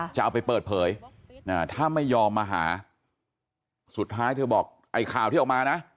จะเอาไปเปิดเผยถ้าไม่ยอมมาหาสุดท้ายเธอบอกไอ้ข่าวที่ออกมานะ